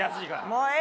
もうええ